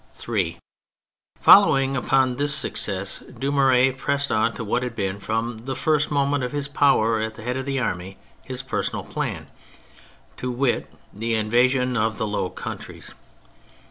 THREE Following upon this success, Dumouriez pressed on to what had been, from the first moment of his power at the head of the army, his personal plan — to wit, the invasion of the Low Countries.